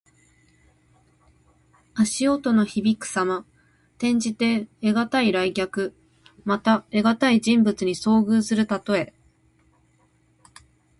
足音のひびくさま。転じて、得難い来客。また、得難い人物に遭遇するたとえ。